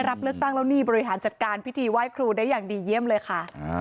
รับเลือกตั้งแล้วนี่บริหารจัดการพิธีไหว้ครูได้อย่างดีเยี่ยมเลยค่ะ